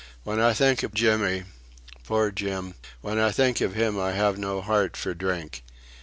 "When I think of Jimmy... Poor Jim! When I think of him I have no heart for drink.